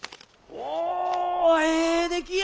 おええ出来や！